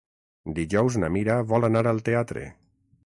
Dijous na Mira vol anar al teatre.